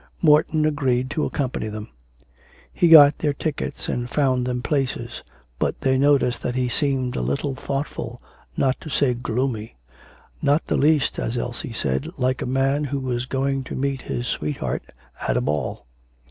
Morton agreed to accompany them. He got their tickets and found them places, but they noticed that he seemed a little thoughtful, not to say gloomy. Not the least,' as Elsie said, 'like a man who was going to meet his sweetheart at a ball.'